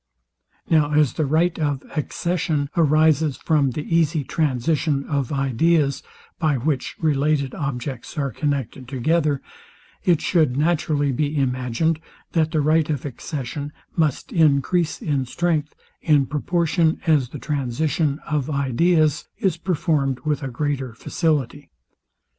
Now as the right of accession arises from the easy transition of ideas, by which related objects are connected together, it shoued naturally be imagined, that the right of accession must encrease in strength, in proportion as the transition of ideas is performed with greater facility.